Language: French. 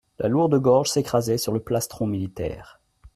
La lourde gorge s'écrasait sur le plastron militaire.